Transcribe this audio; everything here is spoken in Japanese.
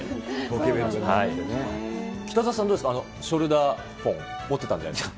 北澤さん、どうですか、ショルダーホン、持ってたんじゃないですか。